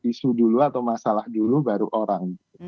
isu dulu atau masalah dulu baru orang